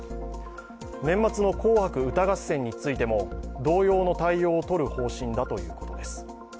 年末の「紅白歌合戦」についても同様の対応を取る方針だということです。